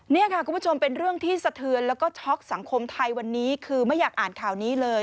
นี่ค่ะคุณผู้ชมเป็นเรื่องที่สะเทือนแล้วก็ช็อกสังคมไทยวันนี้คือไม่อยากอ่านข่าวนี้เลย